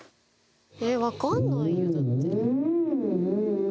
えーっわかんないよだって。